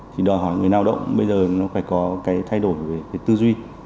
thì đòi hỏi người lao động bây giờ nó phải có cái thay đổi về cái tư duy